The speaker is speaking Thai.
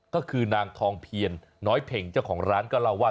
ก็คือนางทองเพียรน้อยเพ็งเจ้าของร้านก็เล่าว่า